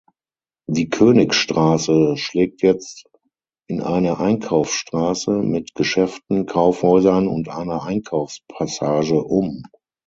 Die Königstraße schlägt jetzt in eine Einkaufsstraße mit Geschäften, Kaufhäusern und einer Einkaufspassage um.